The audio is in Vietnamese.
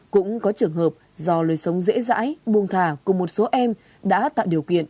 cũng có trường hợp do lời sống dễ dãi buông thả của một số em đã tạo điều kiện